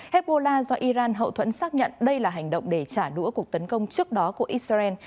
hezbollah do iran hậu thuẫn xác nhận đây là hành động để trả đũa cuộc tấn công trước đó của israel